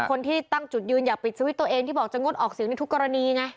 คนที่ตั้งจุดยืนอยากปิดสวิตช์ตัวเองที่บอกจะงดออกเสียงในทุกกรณีไง